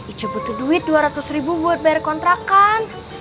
icu butuh duit dua ratus ribu buat bayar kontrakan